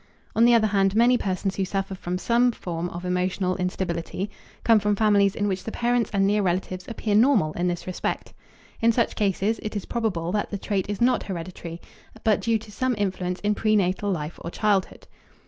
On the other hand, many persons who suffer from some form of emotional instability come from families in which the parents and near relatives appear normal in this respect. In such cases it is probable that the trait is not hereditary, but due to some influence in pre natal life or childhood.